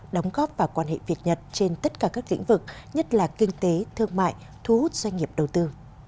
đóng góp vào quan hệ việt nhật trên tất cả các lĩnh vực nhất là kinh tế thương mại thu hút doanh nghiệp đầu tư